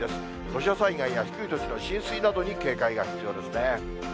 土砂災害や低い土地の浸水などに警戒が必要ですね。